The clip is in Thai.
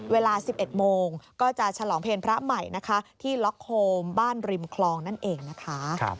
เวลา๑๑โมงก็จะฉลองเพลงพระใหม่นะคะที่ล็อกโฮมบ้านริมคลองนั่นเองนะคะ